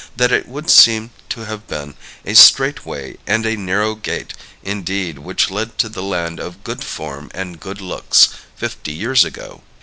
that it would seem to have been a straight way and a narrow gate indeed which led to the land of good form and good looks fifty years ago.